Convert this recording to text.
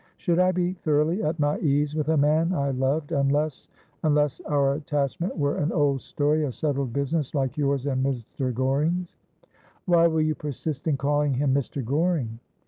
' Should I be thoroughly at my ease with a man I loved, unless — unless our attachment were an old story — a settled business — like yours and Mr. Goring's ?'' Why will you persist in calling him Mr. Goring